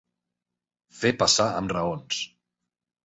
Fer passar amb raons.